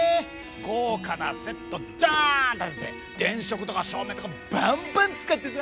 豪華なセットダン立てて電飾とか照明とかバンバン使ってさ！